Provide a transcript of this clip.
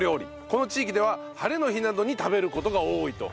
この地域ではハレの日などに食べる事が多いと。